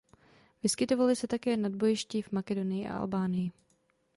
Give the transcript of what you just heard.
Vyskytovaly se také nad bojišti v Makedonii a Albánii.